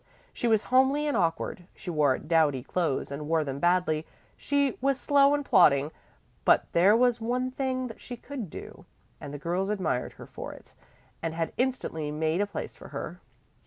She was homely and awkward, she wore dowdy clothes and wore them badly, she was slow and plodding; but there was one thing that she could do, and the girls admired her for it and had instantly made a place for her.